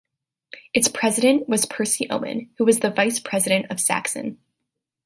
Its president was Percy Owen, who was the vice-president of Saxon.